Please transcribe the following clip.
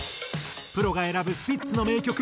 プロが選ぶスピッツの名曲